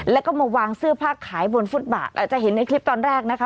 แล้วก็มาวางเสื้อผ้าขายบนฟุตบาทอาจจะเห็นในคลิปตอนแรกนะคะ